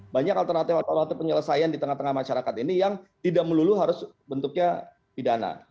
banyak alternatif alternatif penyelesaian di tengah tengah masyarakat ini yang tidak melulu harus bentuknya pidana